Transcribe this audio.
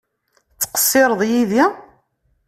Tettqeṣṣireḍ yid-i?